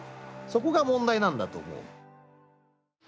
そこが問題なんだと思う。